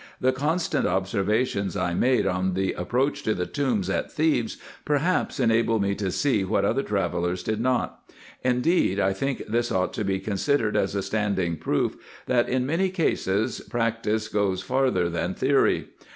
The constant observations I made on the approach to the tombs at Thebes perhaps enabled me to see what other travellers did not : indeed, I think this ought to be considered as a standing proof, that in many cases practice goes farther than theory.